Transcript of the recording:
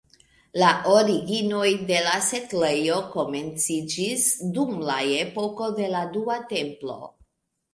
La originoj de la setlejo komenciĝis dum la epoko de la Dua Templo.